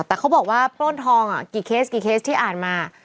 แต่เขาบอกว่าโปร่นทองกี่เคสที่อ่านมา